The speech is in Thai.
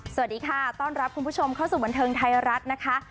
สวัสดีค่ะต้อนรับคุณผู้ชมเข้าสู่บันเทิงไทยรัฐนะคะ